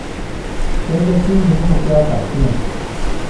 隨著經營目標改變